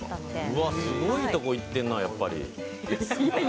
うわ、すごいとこ行ってんな、やっぱり。